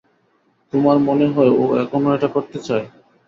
তোমার মনে হয় ও এখনও এটা করতে চায়?